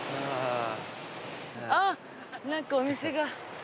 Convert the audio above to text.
あっ何かお店が。